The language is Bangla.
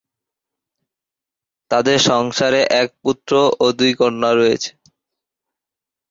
তাদের সংসারে এক পুত্র ও দুই কন্যা রয়েছে।